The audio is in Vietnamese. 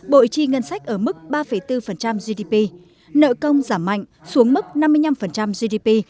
bội trì ngân sách ở mức ba bốn gdp nợ công giảm mạnh xuống mức năm mươi năm gdp